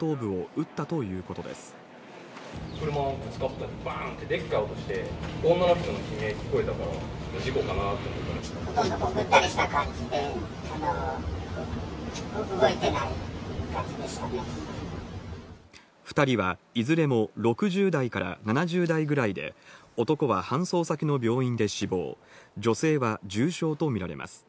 ぐったりした感じで、動いて２人は、いずれも６０代から７０代ぐらいで、男は搬送先の病院で死亡、女性は重傷と見られます。